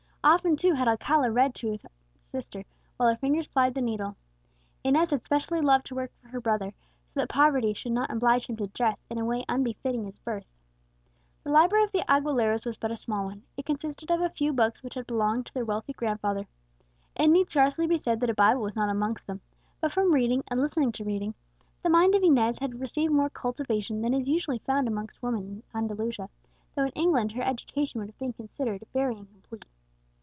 Often too had Alcala read aloud to his sister, while her fingers plied the needle. Inez had specially loved to work for her brother, that so poverty should not oblige him to dress in a way unbefitting his birth. The library of the Aguileras was but a small one; it consisted of a few books which had belonged to their wealthy grandfather, it need scarcely be said that a Bible was not amongst them; but from reading, and listening to reading, the mind of Inez had received more cultivation than is usually found amongst women in Andalusia, though in England her education would have been considered very incomplete.